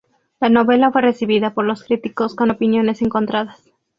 La novela fue recibida por los críticos con opiniones encontradas.